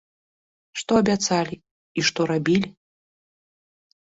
Што абяцалі і што рабілі?